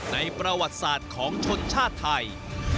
ในประวัติศาสตร์ของชนชาติไทย